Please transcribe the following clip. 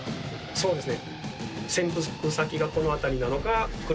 そうですね。